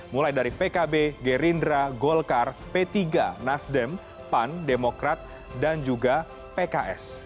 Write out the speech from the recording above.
mulai dari pkb gerindra golkar p tiga nasdem pan demokrat dan juga pks